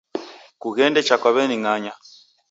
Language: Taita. Kughende cha kwa w'eni ng'anya